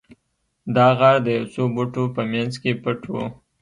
دا غار د یو څو بوټو په مینځ کې پټ و